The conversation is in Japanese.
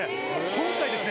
今回ですね。